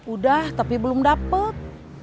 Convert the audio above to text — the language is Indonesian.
udah tapi belum dapet